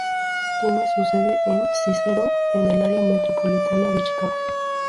Tiene su sede en Cícero, en el área metropolitana de Chicago.